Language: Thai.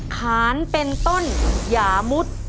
ขานเป็นต้นอย่ามุด